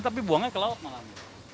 tapi buangnya ke laut malah